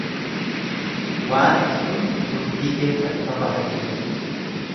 Waanti hundi turtii keessa ifa baha jechuudha.